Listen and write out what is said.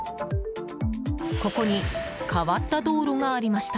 ここに変わった道路がありました。